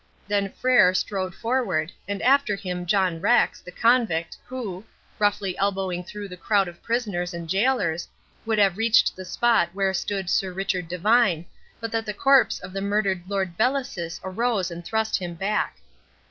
Then Frere strode forward, and after him John Rex, the convict, who, roughly elbowing through the crowd of prisoners and gaolers, would have reached the spot where stood Sir Richard Devine, but that the corpse of the murdered Lord Bellasis arose and thrust him back.